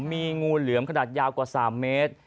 มีงูเหลือมขนาดยาวกว่า๓เมตร